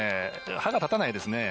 歯が立たないですね。